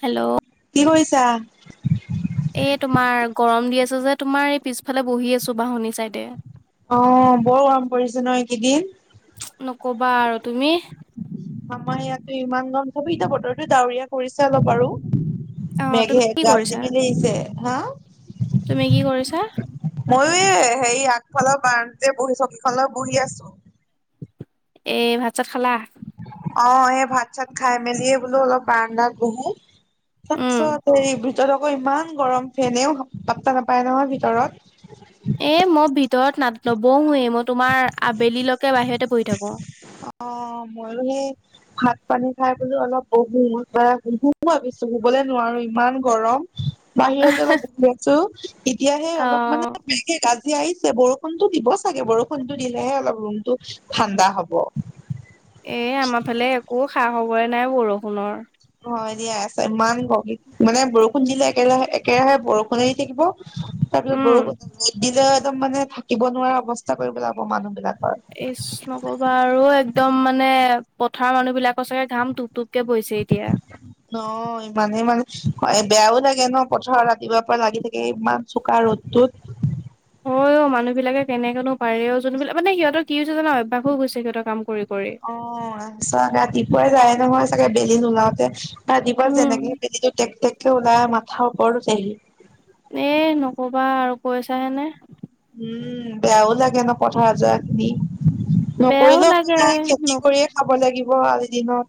Hello. কি কৰিছা? এ তোমাৰ গৰম দি আছে যে তোমাৰ এই পিছফালে বহি আছো বাহনি চাইডে। অ বৰ গৰম পৰিছে ন এইকেইদিন। নকবা আৰু তুমি? আমাৰ ইয়াতো ইমান গৰম থবি এতিয়া বতৰটো ডাৱৰীয়া কৰিছে অলপ অ আৰু। তুমি মেঘে কি কৰিছা? গাজি মেলি আহিছে, হা। তুমি কি কৰিছাঁ? মইও এ হেৰি আগফালৰ বাৰাণ্ডাতে বহি চকীখনলৈ বহি আছো। এই ভাত-ছাত খালা। অ এই ভাত-চাত খাই মেলিয়েই বোলো অলপ বাৰাণ্ডাত বহো। উম। তাৰপিছত হেৰি ভিতৰত আকৌ ইমান গৰম ফেনেও পাত্তা নাপায় নহয়, ভিতৰত। এ মই ভিতৰত না-নবহুৱে, মই তোমাৰ আবেলিলৈকে বাহিৰতে বহি থাকো। অ, মইও হেই ভাত-পানী খাই বোলো অলপ বহো, শুও বুলি ভাবিছো, শুৱলে নোৱাৰো ইমান গৰম। বাহিৰতে অলপ বহি আছো, এতিয়াহে অ অলপ মানে মে ঘে গাজি আহিছে বৰষুণটো দিব চাগে, বৰষুণটো দিলেহে অলপ ৰুমটো ঠাণ্ডা হ'ব। এ আমাৰ ফালে একো খা-খবৰে নাই বৰষুণৰ। হয় দিয়া ইমান গৰম মানে বৰষুণ দিলে একেৰাহে-একেৰাহে বৰষুণে দি থাকিব তাপিছত উম। বৰষুণ, ৰ'দ দিলেও একদম মানে থাকিব নোৱাৰা অৱস্থা কৰি পেলাব মানুহ বিলাকৰ। এইছ নকবা আৰু, একদম মানে পথাৰ মানুহ বিলাকৰ চাগে ঘাম টোপ-টোপকে পৰিছে এতিয়া। নই ইমানেই মানে ক বেয়াও লাগে ন' পথাৰত ৰাতিপুৱাৰ পৰা লাগি থাকে ইমান চোকা ৰ'দটোত হয় অ, মানুহ বিলাকে কেনেকেনো পাৰে অ, যোনবিলাক মানে সিহঁতৰ কি হৈছে জানা অভ্যাস হৈ গৈছে সিহঁতৰ কাম কৰি কৰি। অ' আচ্চা, ৰাতিপুৱাই যায় নহয় চাগে, বেলি নুলাওঁতে। ৰাতিপুৱা উম যেনেকে হে বেলিটো টেক-টেককে ওলাই, মাথাৰ ওপৰত উঠেহি। এ নক'বা আৰু কৈছা হেনে। উম বেয়াও লাগে ন, পথাৰত যোৱা খিনি। বেয়াও নকৰিলেও [unintelligible] লাগে ন খেতি কৰিয়ে খাব লাগিব আজিদিনত।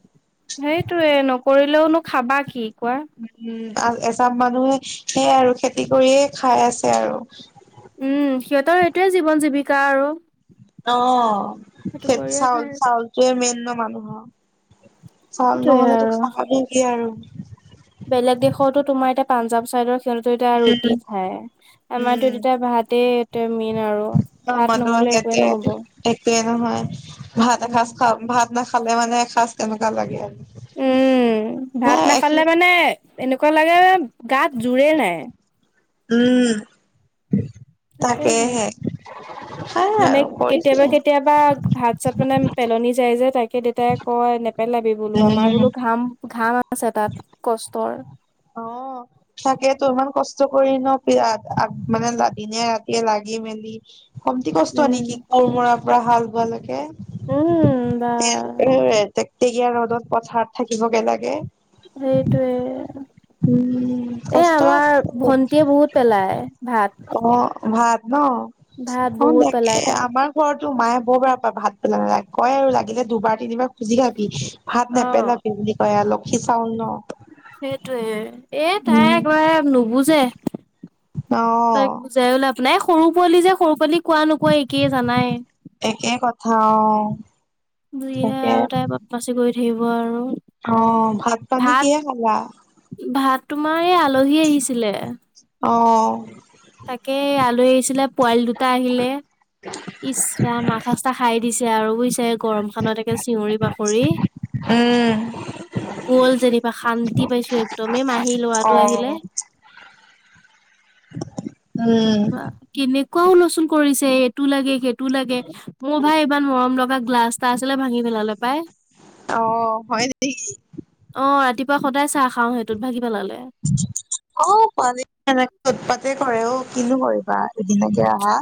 সেইটোয়ে নকৰিলেওনো খাবা কি? কোৱা? উম আ এচাম মানুহে, সেয়াই আৰু খেতি কৰিয়ে খাই আছে আৰু। উম, সিহঁতৰ সেইটোৱে জীৱন-জীৱিকা আৰু। অ, সেইটো সেত কৰিয়ে চাউল, খাই আছে। চাউল সেয়ে মেইন ন মানুহৰ। চাউল সেইটোয়ে নহ'লেতো আৰু খাবা নো কি আৰু। বেলেগ দেশৰতো তোমাৰ এতিয়া পাঞ্জাব চাইডৰ সিতৰটো এতিয়া ৰুটি উম, খাই, আমাৰতো উম। এতিয়া ভাতে এ মেইন আৰু। ভাত [unintelligible] নহ'লে একোৱে নহ'ব। ভাত উম এসাঁজ খাওক ভাত নাখালে মানে এসাঁজ কেনেকুৱা লাগে! উম, এ ভাত নাখালে এইখিনি মানে এনেকুৱা লাগে গাত জোৰেই নাই। উম। তাকেই তাকেহে হে। খাই আৰু কৰিছে কিবা ভাত-চাত মানে পেলনি যায় যে, তাকে দে তাই কয় নেপেলাবি বোলো আমাৰ উম বোলো ঘাম, ঘাম আছে তাত, কষ্টৰ। অ। তাকেতো ইমান কষ্ট কৰি ন' মানে দিনে-ৰাতিয়ে লাগি মেলি কমটি কষ্ট নিকি, উম। কোৰ মৰাৰ পৰা হাল বোৱালৈকে! উম, বা টেকটেকীয়া ৰ'দত পথাৰত থাকিবগে লাগে! সেইটোৱে। উম, এ কষ্ট আমাৰ আছে। ভন্টিয়ে বহুত পেলাই ভাত অ', ভাত ন! ভাত অ', বহুত পেলাই তাকে তাই। আমাৰ ঘৰতো মায়ে বৰ বেয়া পায়, ভাত পেলালে। কয় আৰু লাগিলে দুবাৰ-তিনিবাৰ খুজি খাবি ভাত অ', নেপেলাবি বুলি কয় আ। লক্ষী চাউল ন! সেইটোয়ে। এ তাই একবাৰে নুবুজে। অ তাইক বুজাইও লাভ নাই। এই সৰু পোৱালি যে, সৰু পোৱালিক কোৱা নোকোৱা একেই, জানাই। একে কথা, অ। যিহে তাকে আৰু তাই বদমাচি কৰি থাকিব আৰু অ পানী ভাত, কিহে খালা ভাত তোমাৰ এই আলহী আহিছিলে! অঁ! তাকে, আলহী আহিছিলে, পোৱালি দুটা আহিলে! ইছ ৰাম, মাথা চাঠা খাই দিছে আৰু বুইছে! গৰমখনত একে চিঞৰি বাখৰি! উম! গ'ল যেনিবা শান্তি পাইছোঁ! একদম এই মাহী ল'ৰাটো অ আহিলে! [unintelligible] বা কেনেকুৱা হুলস্থুল কৰিছে! টো লাগে, সেইটো লাগে! মোৰ ভাই ইমান মৰম লগা গ্লাছ এটা আছিলে ভাঙি পেলালে পাই! অ', হয় নিকি? অঁ, ৰাতিপুৱা সদায় চাহ খাওঁ সেইটোত, ভাগি পেলালে [unintelligible] অ অ', পোৱালিবোৰ এনেকে উৎপাতে কৰে অ', কিনো কৰিবা, এদিনীয়াকে আহা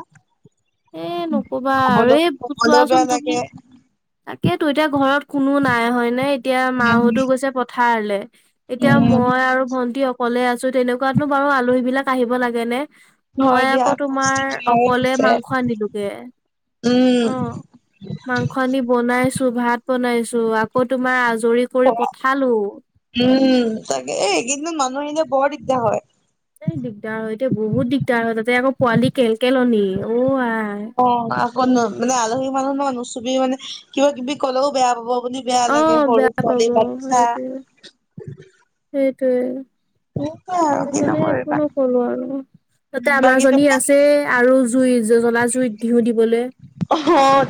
এ নক'বা আৰু কবলৈ এই ব কবলৈও চোৱাচোন বেয়া তুমি লাগে তাকে তো এতিয়া ঘৰত কোনো নাই, হয় নে? এতিয়া উম মাহঁতো গৈছে পথাৰলে এতিয়া উম মই আৰু ভন্টি অকলে আছোঁ, তেনেকুৱাতনো বাৰু আলহীবিলাক আহিব লাগে নে? হয় মই দিয়া আকৌ কষ্ট তোমাৰ তোমাৰে অকলে হৈছে মাংস আনিলোঁগে উম, অঁ! মাংস আনি বনাইছোঁ ভাত বনাইছোঁ, আকৌ তোমাৰ আজৰি কৰি পঠালোঁ উম, তাকে এইকেইদিনত মানুহ আহিলে বৰ দিগদাৰ হয়। দিগদাৰ হয় দেই বহুত দিগদাৰ হয় তাতে আকৌ পোৱালি কেলকেলনি অ' আই অ', আকৌ ন, মানে আলহী মানুহ ন, নুচুবি মানে কিবা কিবি ক'লেও বেয়া পাব বুলি বেয়া অ লাগে সৰু বেয়া ছোৱালী পাব বাচ্চা সেইটোৱে সেইটোৱে, সেনেকুৱাই আৰু কিনো সেইকাৰণে কৰিবা। একো নকলোঁ আৰু তাতে বাকী আমাৰজনী তুমি আছেই আৰু জুই জ্বলা জুইত ঘিঁউ দিবলে অ,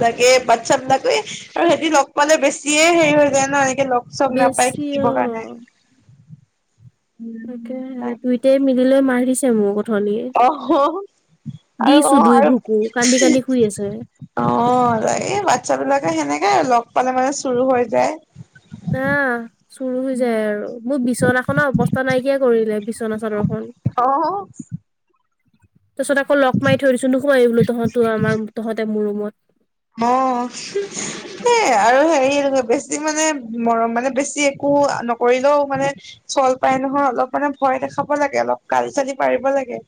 তাকে বাচ্ছ বিলাকো এ আৰু সিহতি লগ পালে, বেছিয়ে হেৰি হৈ যায় ন, এনেকে লগ চব নাপায় বেছি শিকিব কাৰণে। তাকেহে উম, দুইটাই মিলি লৈ মাৰিছে মোক। অথনিয়ে অ', আৰু দিছো অ', দুই আৰু ভুকু, কান্দি, কান্দি শুই আছে। অ, লাগেই বাচ্ছ বিলাকে সেনেকাই লগ পালে মানে চোৰো হৈ যায়। আহ চোৰো হৈ যায় আৰু মোৰ বিচনাখন অৱস্থা নাইকিয়া কৰিলে বিচ বিচনা চাদৰ খন। অ', তাৰপিছত আকৌ লগ মাৰি থৈ দিছো। নোসোমাবি বুলো তহঁতো আমাৰ তহঁতে মোৰ ৰুমত। অ'। সে, আৰু হেৰি বেছি মানে, মৰম মানে বেছি একো নকৰিলেও মানে চল পাই নহয়, অলপ মানে ভয় দেখাব লাগে। অলপ গালি, চালি পাৰিব লাগে।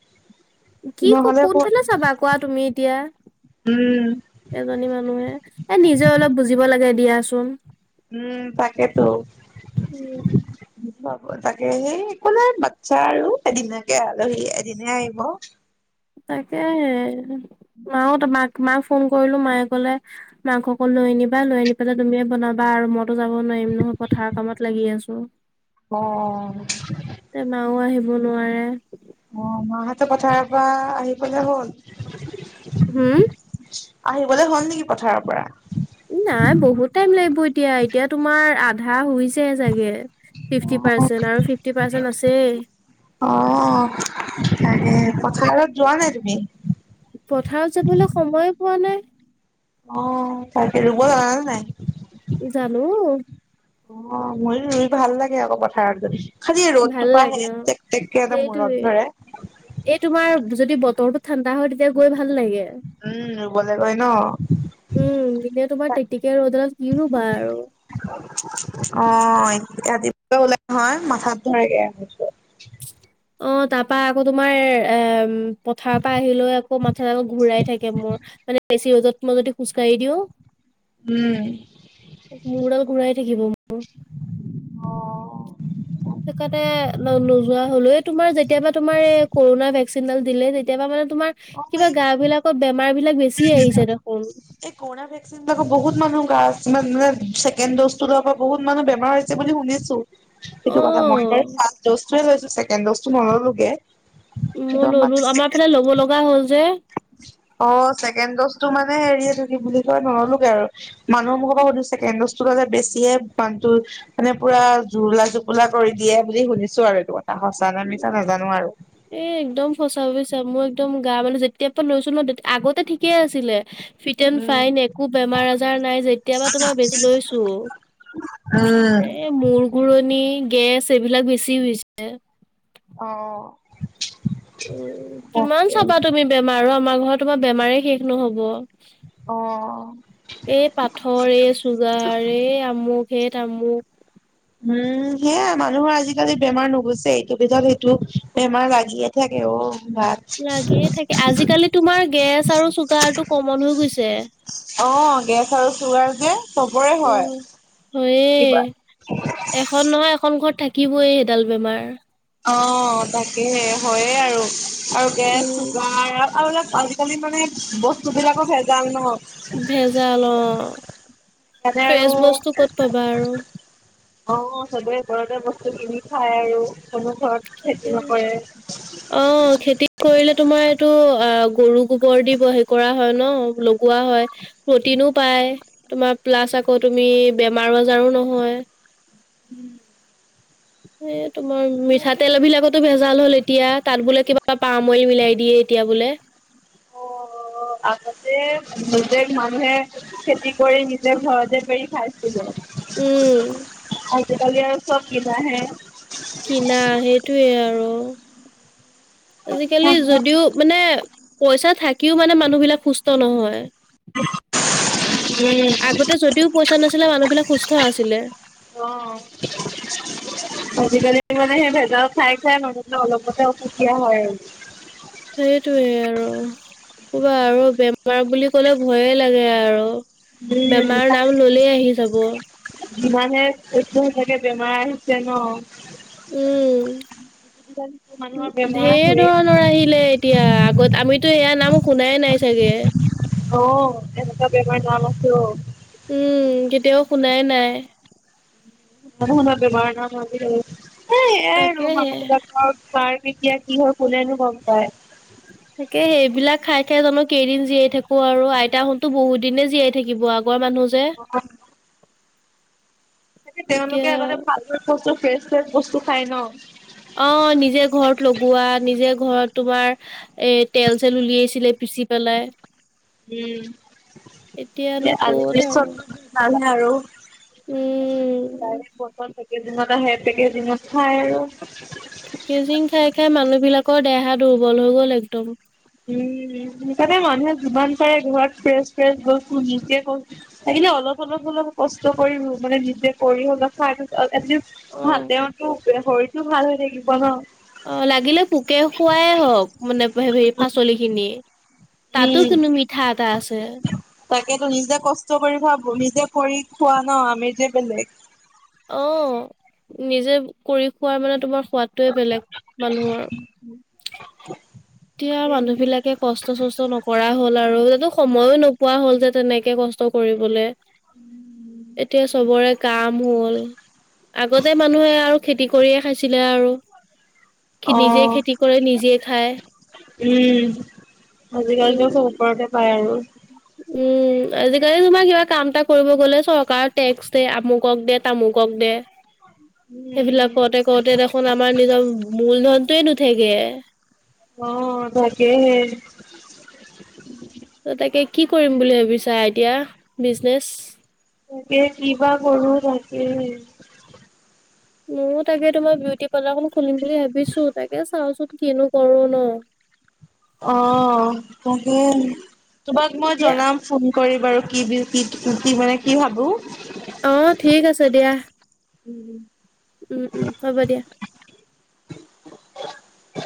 কি, ক, নহ'লে কোনফালে চাবা কোৱা তুমি এতিয়া। উম। এজনী মানুহে এই নিজে অলপ বুজিব লাগে দিয়াচোন। উম, তাকেতো। উম তাকে সেই একো নাই, বাচ্ছা আৰু এদিনাকে আলহী এদিনাই আহিব। তাকেহে মাও তোমাক, মাক ফোন কৰিলো মায়ে কলে মাংস কণ লৈ আনিবা, লৈ আনি পেলাই তুমিয়ে বনাবা আৰু মইতো যাব নোৱাৰিম নহয়, পথাৰ কামত লাগি আছো। অ'। এতিয়া মাও আহিব নোৱাৰে। অ মাহঁতেও পথাৰ পৰা আহিবলে হ'ল। হুম আহিবলে হ'ল নেকি পথাৰৰ পৰা। নাই বহুত টাইম লাগিব এতিয়া এতিয়া তোমাৰ আধা হৈছে চাগে। ফিফটি পাৰ্চেণ্ট আৰু ফিফটি পাৰ্চেণ্ট আছেই। অহ তাকে পথাৰত যোৱা নাই তুমি। পথাৰত যাবলৈ সময়ে পোৱা নাই। অ তাকে ৰুব জানা নে নাই। জানো অ মইয়ো ৰুই ভাল লাগে আক পথাৰত গৈ খালি ৰ'দ ভাল টোপাহে লাগে অ টেক টেক কে সেইটোৱে মূৰত ধৰে। এই তোমাৰ যদি বতৰটো ঠাণ্ডা হয় তেতিয়া গৈ ভাল লাগে। উম ৰুবলে গৈ ন। অ উম তেতিয়া তোমাৰ টেক টেকিয়া ৰ'দত কি ৰুবা আৰু। অ ৰাতিপুৱা ওলাই নহয় মাথাত ধৰেগে অ তাৰ পৰা আকৌ তোমাৰ এ পথাৰৰ পৰা আহি লৈ আকৌ মাথাদাল ঘূৰাই থাকে মোৰ। মানে বেছি ৰ'দত মই যদি খোজকাঢ়ি দিওঁ। উম। মূৰদাল ঘূৰাই থাকিব। অ সেইটো কাৰণে নো নোযোৱা হলো তোমাৰ যেতিয়া পৰা তোমাৰ এই কৰোণাৰ ভেকচিনডাল দিলে তেতিয়া পৰা মানে তোমাৰ অ কিবা এই গা বিলাকত বেমাৰ বিলাক বেছি আহিছে দেখোন। এই কৰুণা ভেক যিবিলাক বহুত মানুহ গা, ইমান মানে ছেকেণ্ড ডজটো লোৱাৰ পৰা বহুত মানুহ বেমাৰ হৈছে বুলি শুনিছো। সেইটো কথা মই বাৰু অ', ফাষ্ট ডজটো লৈছো ছেকেণ্ড ডজটো নললোগে। মই একদম ললো মানে আমাৰ ফালে ল'ব লগা হ'ল যে। অ, ছেকেণ্ড দজটো মানে হেৰি এইটো কি বুলি কয় নললোগে আৰু। মানুহৰ মুখৰ পৰা সুধিছো ছেকেণ্ড ডজটো যে বেছিয়ে মানু্হটোৰ মানে পুৰা জুৰুলা জুপোলা কৰি দিয়ে বুলি শুনিছো আৰু এইটো কথা সঁচা নে মিছা নাজানো আৰু এ, একদম সঁচা বুইছা মই একদম গা মানে যেতিয়াৰ পৰা লৈছো ন আগতে ঠিকেই আছিলে ফিট এণ্ড উম ফাইন একো বেমাৰ আজাৰ নাই যেতিয়া পৰা তোমাৰ বেজি লৈছো উম, এই মূৰ ঘূৰণি গেছ এইবিলাক বেছি হৈছে অ উম কিমান তাকে চাবা তুমি বেমাৰ আমাৰ ঘৰত তোমাৰ বেমাৰেই শেষ নহব অ, এই পাথৰ এই চুগাৰ এই আমুক এ তামুক উম সেয়াই মানুহৰ আজিকালি বেমাৰ নুগুছে এইটো পিছত সিটো বেমাৰ লাগেই থাকে অ গাত লাগিয়ে থাকে আজিকালি তোমাৰ গেছ আৰু চুগাৰটো কমন হৈ গৈছে অ গেছ আৰু চুগাৰ যে চবৰে হয় উম হয়ে কিবা এখন নহয় এখন ঘৰত থাকিবই সেইডাল বেমাৰ অ', তাকে হয়ে আৰু, আৰু গেছ, উম চোগাৰ আৰু আজিকালি মানে, বস্তু বিলাকো ভেজাল ন। ভেজাল অ', তাতে আৰু ফ্ৰেচ বস্তু ক'ত পাবা, অ'। অ', চবে ঘৰতে বস্তু কিনি খায় আৰু, চবে ঘৰত খেতি তাকে। নকৰে অ', খেতি কৰিলে তোমাৰ এইটো অ', গৰু গোবৰ দিব হে কৰা হয় ন, বোলো। কোৱা হয়, প্ৰটিনো পায়, তোমাৰ প্লাছ আকৌ তুমি, বেমাৰ-আজাৰো নহয়। [inaudible] এ, তোমাৰ মিঠাতেল বিলাকতো ভেজাল হ'ল এতিয়া, তাত বোলে কিবা পাম অইল মিলাই দিয়ে। তিয়া বোলে। নিজে মানুহে, খেতি কৰি নিজে ঘৰতে পেৰি খাইছিলে। উম। আজিকালি আৰু চব কিনাহে। কিনা সেইটোৱে আৰু, আজিকালি যদিও মানে পইচা থাকিও মানে, মানুহ বিলাক সুস্থ নহয়। আগতে যদিও পইচা নাছিলে, মানুহবিলাক সুস্থ আছিলে। অ'। আজিকালি মানে, সেই ভেজাল খাই, খাই মানুহে অলপতে অসুখীয়া হয়। সেইটোৱে আৰু, ক'বা আৰু বেমাৰ বুলি, ক'লে ভয়ে লাগে আৰু। বেমাৰ নাম ল'লে আহি যাব। ইমানে একো, সেনেকে বেমাৰ আহিছে ন। উম, আজিকালিতো মানুহৰ বেমাৰ ঢেৰ হৈয়ে ধৰণৰ আহিলে এতিয়া, আগত আমিতো হেয়া নাম শুনাই নাই চাগে। অ', এনেকুৱা বেমাৰ নাম আছে অ'। উম, কেতিয়াও শুনাই নাই। শুনাই নাই বেমাৰৰ নাম আজিলৈকে, এয়াই আৰু তাকেহে মানুহ বিলাকৰ খোৱাৰ এতিয়া কি হয়, কোনেনো গম পায়। তাকে, সেইবিলাক খাই, খাই জানো কেইদিন জীয়াই থাকো আৰু, আইতাহতটো বহুত দিনে জীয়াই থাকিব, আগৰ মানুহ যে [unintelligible] তাকে, এতিয়া তেওঁলোকে আগতে ভাল, ভাল বস্তু ফ্ৰেচ, ফ্ৰেচ বস্তু খাই ন। অ', নিজে ঘৰত লগোৱা, নিজে ঘৰত তোমাৰ এ, তেল-চেল উলিয়াইছিলে পিচি পেলাই উম, এতিয়ানো সেইয়া ক'ত আজিকালি ছব আৰু আৰু উম [unintelligible] পেকাজিংত আহে, পেকেজিংত, খায় আৰু। পেকেজিং খাই, খাই মানুহ বিলাকৰ দেহা দুৰ্বল হৈ গ'ল একদম। উম, তাতে মানুহে যিমান পাৰে, ঘৰত ফ্ৰেছ, ফ্ৰেছ বস্তু, নিজে হওক লাগিলে, অলপ, অলপ, অলপ কষ্ট কৰি মানে, নিজে কৰি হ'লেও খাই, এটলিষ্ট অ ভাল, তেওঁতো শৰীৰটো ভাল হৈ থাকিব ন। অ', লাগিলে পোকে খুৱাই হওক, মানে হে পাচলি খিনি। তাতো উম, কিন্তু, মিঠা এটা আছে। তাকেতো, নিজে কষ্ট কৰি হোৱা, নিজে কৰি খোৱা ন, আমেযে বেলেগ। অ', নিজে কৰি খুৱোৰ মানে, তোমাৰ সোৱাদটোৱে বেলেগ, মানুহৰ এতিয়া মানুহ বিলাকে কষ্ট-চষ্ট নকৰা হ'ল আৰু। সময়ো নোপোৱা হ'ল যে তেনেকে কষ্ট কৰিবলৈ। এতিয়া চবৰে, কাম হ'ল। আগতে মানুহে আৰু খেতি কৰিয়ে খাইছিলে, আৰু। নিজে অ', খেতি কৰি, নিজে খায়। উম, আজিকালিতো উম চ'ব ওপৰতে পায় আৰু। উম, আজিকালি তোমাৰ কিবা কাম এটা কৰিব গ'লে, চৰকাৰক টেক্স দে, আমুকক দে, তামুকক দে। [inaudible] সেইবিলাক উম। কৰোঁতে, কৰোঁতে দেখোন আমাৰ নিজৰ মূলধনটয়ে নোথেগে। অ, তাকে হে। ত, তাকে কি কৰিম বুলি ভাবিছা এতিয়া বিজনেছ? তাকে কিবা কৰো, তাকে মই তাকে তোমাৰ বিউটি পাৰ্লাৰখন খুলিম বুলি ভাবিছো, তাকে চাওঁচোন কিনো কৰো ন,। অ, তাকে তোমাক মই দিয়া জনাম। ফোন কৰি বাৰু কি, কি, কি, মানে কি ভাবো। অ, ঠিক আছে দিয়া। উম, উম, উম, হ'ব দিয়া। [unintelligible]